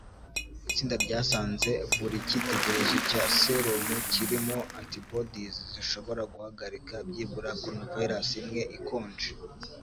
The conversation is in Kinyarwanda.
Itsinda ryasanze buri cyitegererezo cya serumu kirimo antibodies zishobora guhagarika byibura coronavirus imwe ikonje